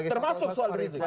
termasuk soal rizik